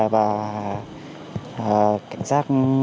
và cảnh sát